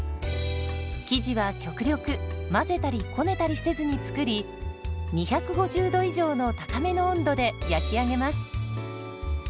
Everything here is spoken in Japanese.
生地は極力混ぜたりこねたりせずに作り２５０度以上の高めの温度で焼き上げます。